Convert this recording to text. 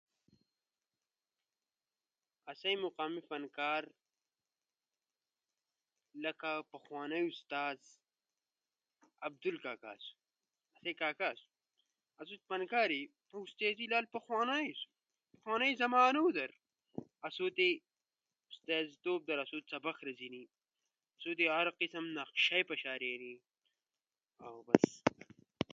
آسئی مقامی فنکار لکہ پخوانئی استاز عبدل کاگا آسُو۔ فنکاری اؤ استازی لالو پکوانئی آسُو۔ زمانو در آسو تی استازی توب در آسو سبق رزینی۔ آسو تی ہر قسم نقشہ ئی پشارینی،